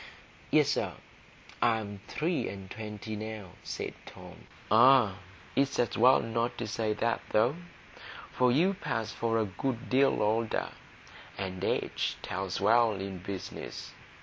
"Yes, sir; I'm three and twenty now," said Tom. "Ah, it's as well not to say that, though; for you'd pass for a good deal older, and age tells well in business.